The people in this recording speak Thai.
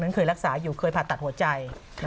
เคยรักษาอยู่เคยผ่าตัดหัวใจ